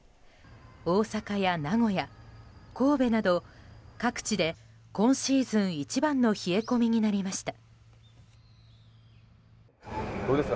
大阪や名古屋、神戸など各地で今シーズン一番の冷え込みになりました。